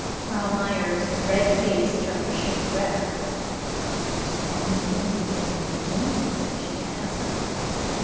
Frau Meyer's red face turned a shade redder. "Does that mean that you don't believe me?" she asked.